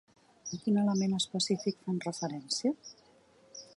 A quin element específic fan referència?